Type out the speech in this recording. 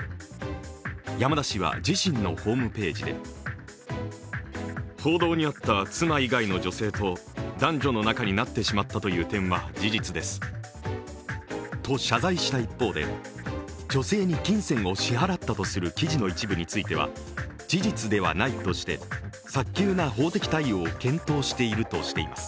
山田氏は自身のホームページでと、謝罪した一方で、女性に金銭を支払ったとする記事の一部については事実ではないとして早急な法的対応を検討しているとしています。